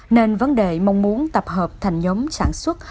nên vấn đề mong muốn tập hợp thành nhóm sản xuất